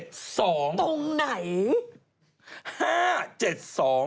ตรงไหน